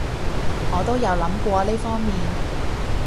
我都有諗過呢方面